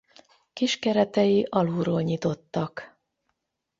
Kis keretei alulról nyitottak.